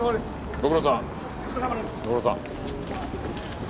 ご苦労さん。